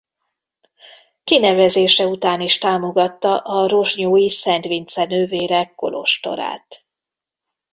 Kinevezése után is támogatta a rozsnyói Szent Vince nővérek kolostorát.